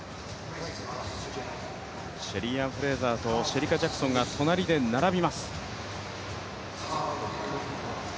シェリーアン・フレイザーとシェリカ・ジャクソンが隣で並びます。